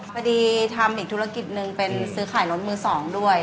พอดีทำอีกธุรกิจหนึ่งเป็นซื้อขายรถมือ๒ด้วย